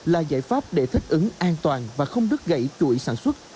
là giải pháp để thích ứng an toàn và không đứt gãy chuỗi sản xuất